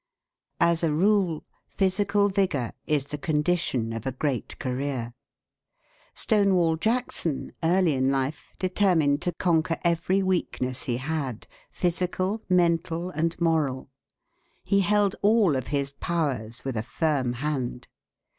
As a rule physical vigor is the condition of a great career. Stonewall Jackson, early in life, determined to conquer every weakness he had, physical, mental, and moral. He held all of his powers with a firm hand.